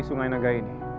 sungai naga ini